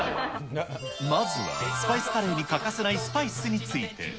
まずは、スパイスカレーに欠かせないスパイスについて。